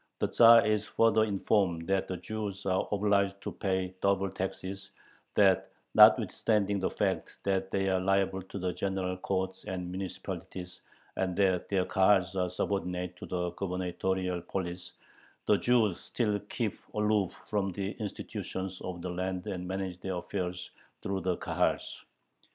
The Tzar is further informed that the Jews are obliged to pay double taxes, that, notwithstanding the fact that they are liable to the general courts and municipalities, and that their Kahals are subordinate to the gubernatorial police, the Jews still keep aloof from the institutions of the land and manage their affairs through the Kahals.